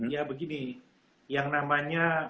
ya begini yang namanya